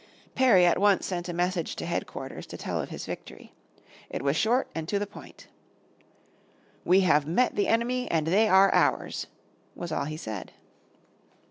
Perry at once sent a message to headquarters to tell of his victory. It was short and to the point. "We have met the enemy, and they are ours," was all he said.